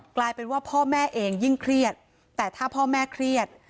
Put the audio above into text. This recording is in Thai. กลายเป็นว่าพ่อแม่เองยิ่งเครียดแต่ถ้าพ่อแม่เครียด